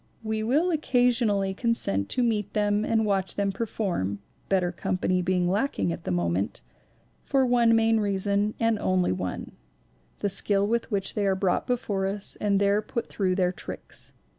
We will occasionally consent to meet them and watch them perform (better company being lacking at the moment) for one main reason and only one: the skill with which they are brought before us and there put through their tricks.